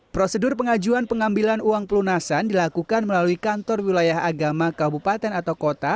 prosedur pengajuan pengambilan uang pelunasan dilakukan melalui kantor wilayah agama kabupaten atau kota